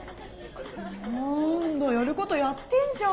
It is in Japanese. なんだやることやってんじゃん。